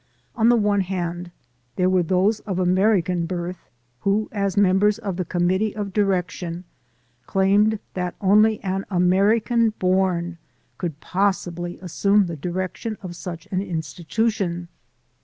On the one hand, there were those of American birth who, as mem bers of the committee of direction, claimed that only an American born could possibly assume the direc torship of such an institution.